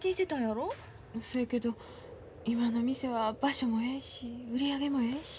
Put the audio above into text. そやけど今の店は場所もええし売り上げもええし。